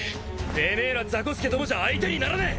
てめえら雑魚助どもじゃ相手にならねえ！